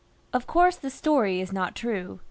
Of course this story is not true.